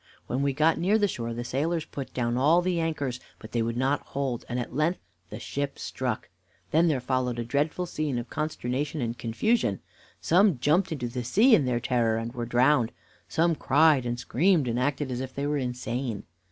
When we got near the shore the sailors put down all the anchors; but they would not hold, and at length the ship struck. Then there followed a dreadful scene of consternation and confusion. Some jumped into the sea in their terror, and were drowned. Some cried and screamed, and acted as if they were insane.